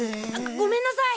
ごめんなさい！